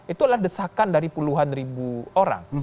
itu adalah desakan dari puluhan ribu orang